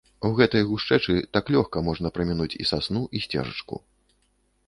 У такой гушчэчы так лёгка можна прамінуць і сасну і сцежачку.